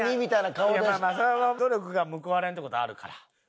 まあまあそれは努力が報われんって事あるから。